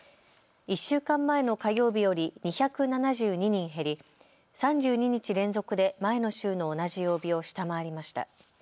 １週間前の火曜日より２７２人減り、３２日連続で前の週の同じ曜日を下回りました。